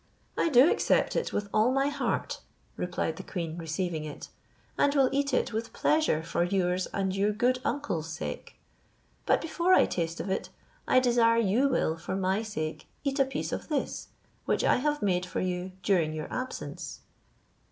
"I do accept it with all my heart," replied the queen, receiving it, "and will eat it with pleasure for yours and your good uncle's sake; but before I taste of it, I desire you will, for my sake, eat a piece of this, which I have made for you during your absence."